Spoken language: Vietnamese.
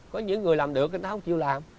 có những người làm được người ta không chịu làm